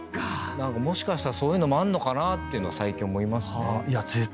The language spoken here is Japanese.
何かもしかしたらそういうのもあんのかなって最近思いますね。